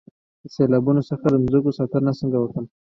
د سیلابونو څخه د ځمکو ساتنه څنګه وکړم؟